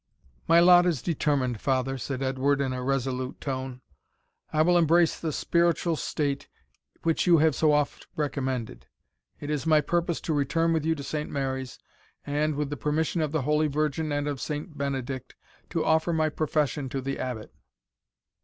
"My lot is determined, father," said Edward, in a resolute tone; "I will embrace the spiritual state which you have so oft recommended. It is my purpose to return with you to Saint Mary's, and, with the permission of the Holy Virgin and of Saint Benedict, to offer my profession to the Abbot."